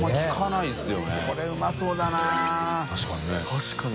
確かに。